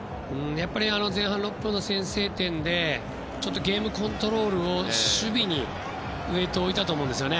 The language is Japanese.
やはり前半６分の先制点でちょっとゲームコントロールを守備にウェートを置いたと思うんです。